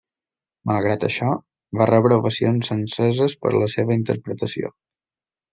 Malgrat això, va rebre ovacions enceses per la seva interpretació.